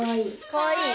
かわいい。